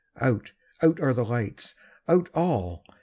Out—out are the lights—out all!